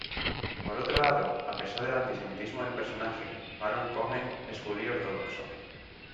Por otro lado, a pesar del antisemitismo del personaje, Baron Cohen es judío ortodoxo.